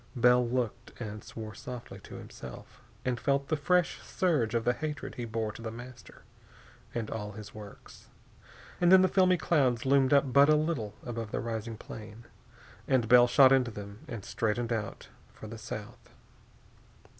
Bell looked, and swore softly to himself, and felt a fresh surge of the hatred he bore to The Master and all his works. And then filmy clouds loomed up but a little above the rising plane, and Bell shot into them and straightened out for the south.